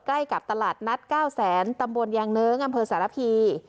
ใกล้กับตลาดนัด๙แสนตำบลยางเนิ้งอำเภอสารพี